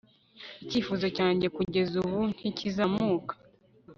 Icyifuzo cyanjye kugeza ubu ntikizamuka